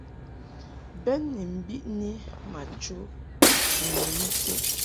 Bɛn ni mbiʼni ma chə ni nyum ited.